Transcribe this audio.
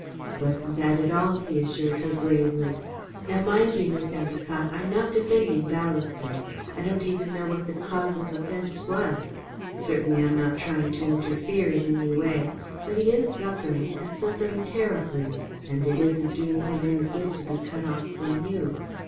"It wasn't that at all," he assured her gravely. "Now, mind you, Miss Endacott, I'm not defending Ballaston. I don't even know what the cause of offence was certainly I'm not trying to interfere in any way but he is suffering, and suffering terribly, and it isn't doing him any good to be cut off from you.